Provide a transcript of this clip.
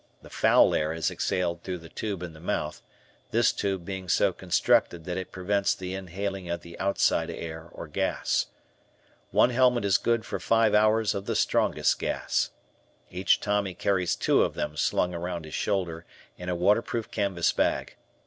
The foul air is exhaled through the tube in the mouth, this tube being so constructed that it prevents the inhaling of the outside air or gas. One helmet is good for five hours of the strongest gas. Each Tommy carries two of them slung around his shoulder in a waterproof canvas bag.